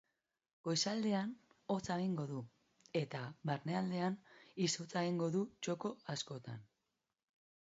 Goizaldean, hotza egingo du, eta barnealdean izotza egingo du txoko askotan.